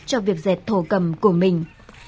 cho việc dệt thổ cầm của mình